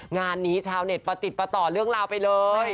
งานนี้ชาวเน็ตประติดประต่อเรื่องราวไปเลย